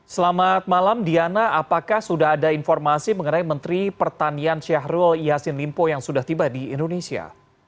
selamat malam diana apakah sudah ada informasi mengenai menteri pertanian syahrul yassin limpo yang sudah tiba di indonesia